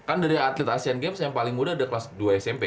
kan dari atlet asean games yang paling muda ada kelas dua smp